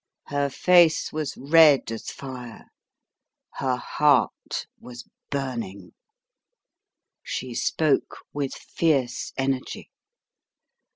Her face was red as fire; her heart was burning. She spoke with fierce energy.